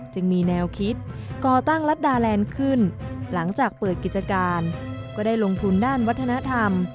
จึงมีแนวคิดก่อตั้งรัฐดาแลนด์ขึ้นหลังจากเปิดกิจการก็ได้ลงทุนด้านวัฒนธรรม